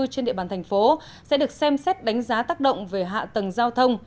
trên địa bàn thành phố sẽ được xem xét đánh giá tác động về hạ tầng giao thông